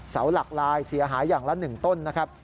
เสาหลักลายเสียหายอย่างละ๑ต้นนะครับ